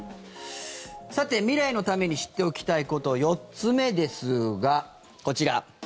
さて未来のために知っておきたいこと４つ目ですが、こちら。